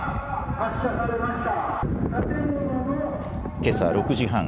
けさ６時半。